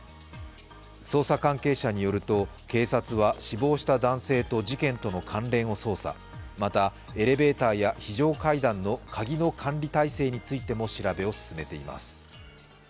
捜査関係者によると、警察は死亡した男性と事件との関連を捜査、またエレベーターや非常階段の鍵の管理体制についても調べを進めています。